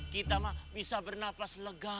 kita bisa bernafas lega